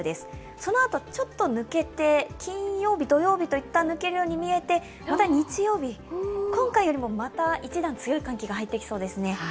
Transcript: そのあとちょっと抜けて、金曜日、土曜日、いったん抜けるように見えてまた日曜日、今回よりもまた一段強い寒気が入ってきそうですね。